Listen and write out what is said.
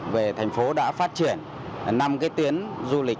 về thành phố đã phát triển năm cái tuyến du lịch